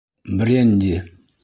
— Бренди!